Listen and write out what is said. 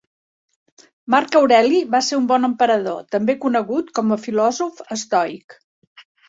Marc Aureli va ser un bon emperador, també conegut com a filòsof estoic.